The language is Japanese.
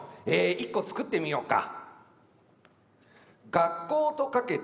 一個作ってみようか。